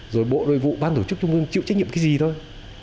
rồi bộ nội vụ ban tổ chức trung ương chịu trách nhiệm cái gì thôi